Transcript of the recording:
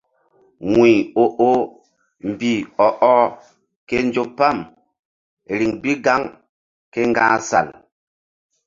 Wuy o oh mbih ɔ ɔh ke nzo pam riŋ bi gaŋ ke ŋga̧h sal.